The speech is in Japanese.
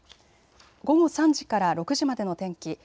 午後３時から６時までの天気。